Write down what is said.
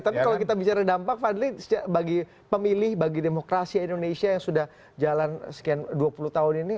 tapi kalau kita bicara dampak fadli bagi pemilih bagi demokrasi indonesia yang sudah jalan sekian dua puluh tahun ini